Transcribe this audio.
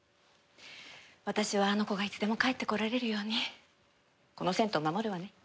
私はあの子がいつでも帰ってこられるようにこの銭湯を守るわね。